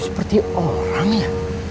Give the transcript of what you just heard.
itu seperti orang ya